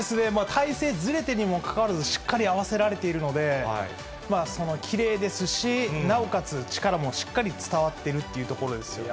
体勢ずれてるにもかかわらず、しっかり合わせられているので、きれいですし、なおかつ力もしっかり伝わっているというところですよね。